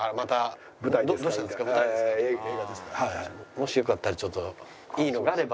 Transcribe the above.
もしよかったらちょっといいのがあれば。